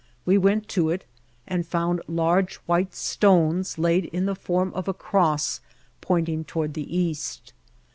We went to it and found large white stones laid in the form of a cross pointing toward the east.